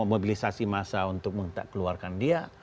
mobilisasi massa untuk keluarkan dia